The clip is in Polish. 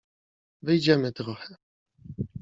— Wyjdziemy trochę.